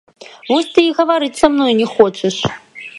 Вось ты і гаварыць са мною не хочаш.